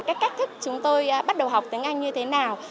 cái cách thức chúng tôi bắt đầu học tiếng anh như thế nào